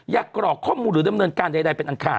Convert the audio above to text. กรอกข้อมูลหรือดำเนินการใดเป็นอันขาด